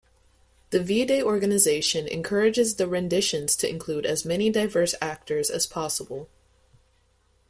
The V-Day organization encourages the renditions to include as many diverse actors as possible.